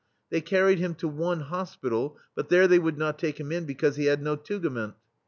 They car ried him to one hospital, but there they would not take him in because he had no tugament.